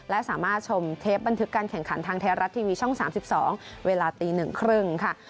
และสามารถชมเทปบันทึกการแข่งขันทางไทยรัฐทีวีช่อง๓๒เวลาตี๑๓๐ค่ะ